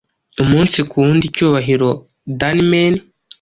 Umunsi kuwundi icyubahiro Danemen